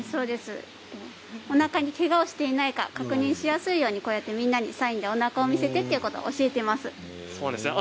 おなかにけがをしていないか確認しやすいようにみんなにサインでおなかを見せてと言っています。